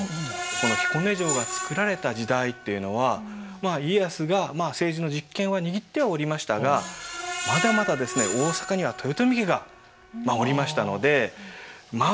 この彦根城が造られた時代っていうのはまあ家康が政治の実権は握ってはおりましたがまだまだですね大阪には豊臣家がおりましたのでまあ